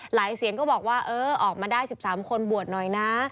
เสียงก็บอกว่าเออออกมาได้๑๓คนบวชหน่อยนะ